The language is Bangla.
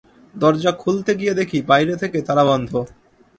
দরজা খুলতে গিয়ে দেখি বাইরে থেকে তালাবন্ধ।